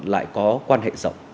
lại có quan hệ rộng